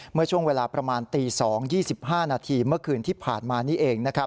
เมื่อช่วงเวลาประมาณตี๒๒๕นาทีเมื่อคืนที่ผ่านมานี้เอง